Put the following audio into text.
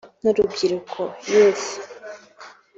n’urubyiruko (youth)